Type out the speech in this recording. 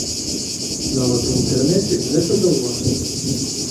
Нават у інтэрнэце гэта заўважна.